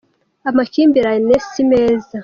Amakimbiranye si meza.